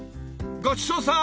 ごちそうさん！